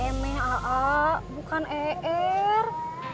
emeh ala ala bukan ee er